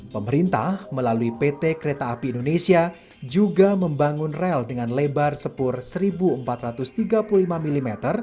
pemerintah melalui pt kereta api indonesia juga membangun rel dengan lebar sepur seribu empat ratus tiga puluh lima mm